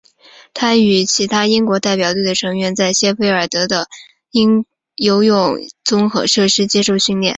他与其他英国代表队的成员在谢菲尔德的的游泳综合设施接受训练。